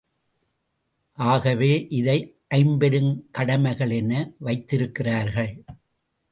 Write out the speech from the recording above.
ஆகவே இதை ஐம்பெருங் கடமைகள் என வைத்திருக்கிறார்கள்.